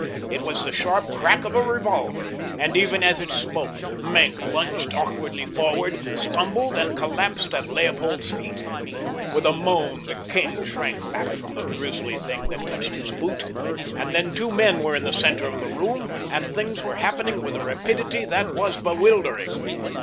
It was the sharp crack of a revolver, and even as it spoke Maenck lunged awkwardly forward, stumbled, and collapsed at Leopold's feet. With a moan the king shrank back from the grisly thing that touched his boot, and then two men were in the center of the room, and things were happening with a rapidity that was bewildering.